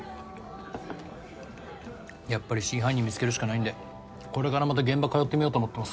やっぱり真犯人見つけるしかないんでこれからまた現場通ってみようと思ってます。